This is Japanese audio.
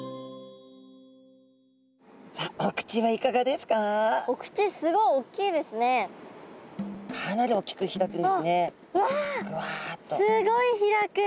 すごい開く。